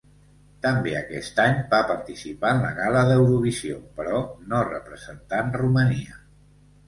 També aquest any va participar en la Gala d'Eurovisió, però no representant Romania.